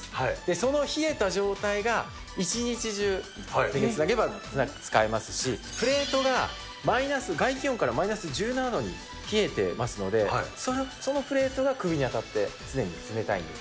その冷えた状態が一日中使えますし、プレートがマイナス、外気温からマイナス１７度に冷えてますので、そのプレートが首に当たって、常に冷たいんです。